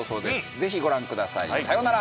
ぜひご覧ください。さようなら！